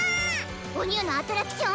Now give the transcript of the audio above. おニューのアトラクション⁉